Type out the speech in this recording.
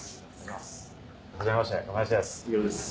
はじめまして、亀梨です。